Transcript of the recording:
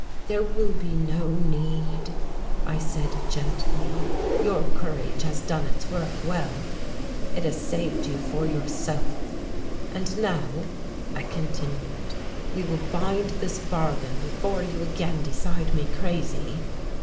"There will be no need," I said gently, "your courage has done its work well it has saved you for yourself. And now," I continued, "we will bind this bargain before you again decide me crazy."